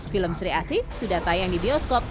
film sri asih sudah tayang di bioskop